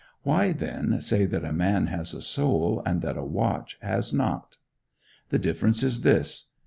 Why, then, say that a man has a soul, and that a watch has not? The difference is this.